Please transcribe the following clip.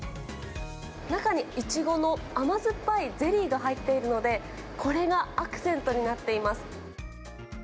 中にいちごの甘酸っぱいゼリーが入っているので、これがアクセントになっています。